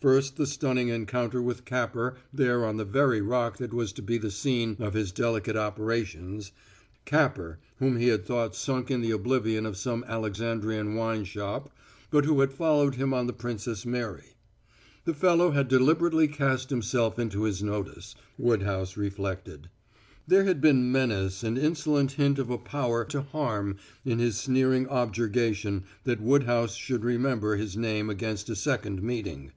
First the stunning encounter with Capper there on the very Rock that was to be the scene of his delicate operations Capper, whom he had thought sunk in the oblivion of some Alexandrian wine shop, but who had followed him on the Princess Mary. The fellow had deliberately cast himself into his notice, Woodhouse reflected; there had been menace and insolent hint of a power to harm in his sneering objurgation that Woodhouse should remember his name against a second meeting.